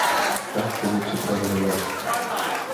Tak tedy připravili lest.